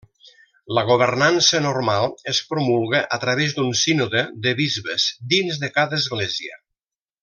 La governança normal es promulga a través d'un sínode de bisbes dins de cada església.